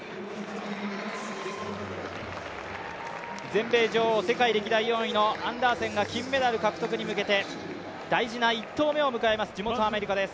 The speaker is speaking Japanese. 全米女王、世界歴代４位のアンダーセンが、地元アメリカで大事な１投目を迎えます、地元アメリカです。